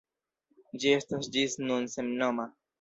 Ĝi estas ĝis nun sennoma.